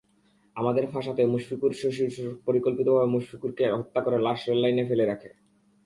আমাদের ফাঁসাতে মশফিকুরের শ্বশুর পরিকল্পিতভাবে মশফিকুরকে হত্যা করে লাশ রেললাইনে ফেলে রাখে।